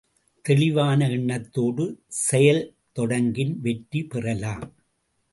தெளிவான எண்ணத்தோடு செயல் தொடங்கின் வெற்றி பெறலாம்.